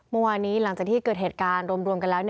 เมื่อวานนี้หลังจากที่เกิดเหตุการณ์รวมกันแล้ว